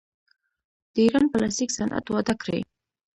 د ایران پلاستیک صنعت وده کړې.